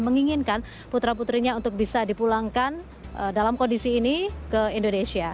menginginkan putra putrinya untuk bisa dipulangkan dalam kondisi ini ke indonesia